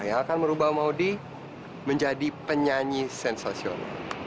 yang akan merubah maudie menjadi penyanyi sensasional